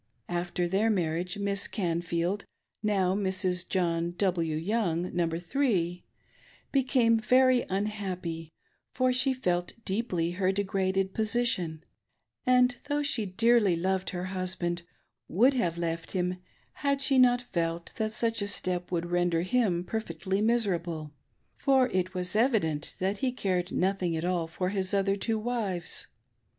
After their marriage. Miss Canfield — now Mrs. John W. Young, number three — became very unhappy, for she felt dfeeply her degraded position, and though she dearly loved her busband, would have left "him had she not felt that such a step THE prophet's NEPOTISM. 613 would render him perfectly miserable, for it was evident that he cared nothing at all for his other two wives.